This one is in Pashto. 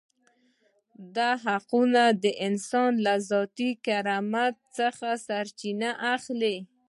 دا حقوق د انسان له ذاتي کرامت څخه سرچینه اخلي.